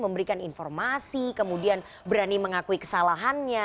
memberikan informasi kemudian berani mengakui kesalahannya